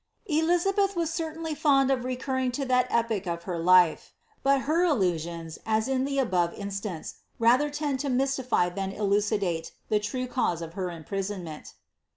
"' Elizabeth was certainly fond of recurrii that epoch of her life, hut her allusions, as in the above instance, n tend to mystify than elucidate the true cause of her imprisonment.